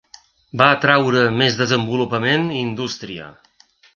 Va atraure més desenvolupament i indústria.